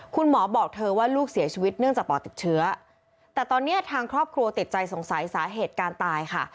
บอกเธอว่าลูกเสียชีวิตเนื่องจากปอดติดเชื้อแต่ตอนนี้ทางครอบครัวติดใจสงสัยสาเหตุการตายค่ะ